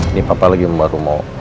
ini papa lagi baru mau